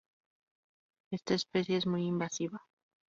Esta especie es muy invasiva.